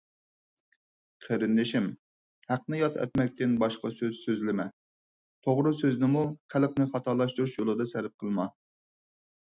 قېرىندىشىم، ھەقنى ياد ئەتمەكتىن باشقا سۆز سۆزلىمە. توغرا سۆزنىمۇ خەلقنى خاتالاشتۇرۇش يولىدا سەرپ قىلما.